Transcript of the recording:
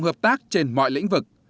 và hợp tác trên mọi lĩnh vực